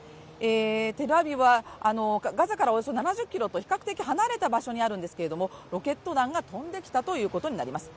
テルアビブはガザからおよそ７０ｋｍと比較的離れた場所にあるんですけれどもロケット弾が飛んできたということになります